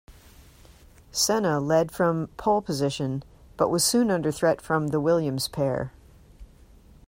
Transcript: Senna led from pole position but was soon under threat from the Williams pair.